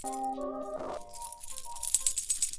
Guangdong Southern Tigers son los inquilinos.